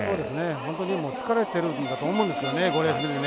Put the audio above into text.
本当に疲れてるんだと思うんですけどね、５レース目で。